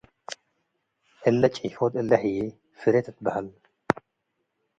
እለ ጪፎት እለ ህዬ “ፍሬ” ትትበሀል ።